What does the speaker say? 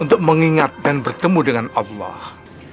untuk mengingat dan bertemu dengan allah